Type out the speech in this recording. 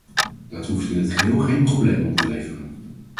Dat hoeft in het geheel geen problemen op te leveren.